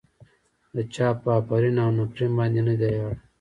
د چا په افرین او نفرين باندې نه دی اړ.